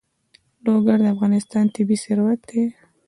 لوگر د افغانستان طبعي ثروت دی.